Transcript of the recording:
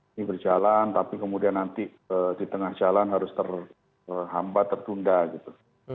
ini berjalan tapi kemudian nanti di tengah jalan harus terhambat tertunda gitu